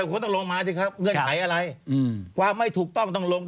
คนต้องลงมาสิครับเงื่อนไขอะไรความไม่ถูกต้องต้องลง